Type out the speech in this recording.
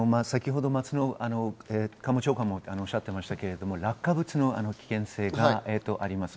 松野官房長官もおっしゃっていましたが、落下物の危険性があります。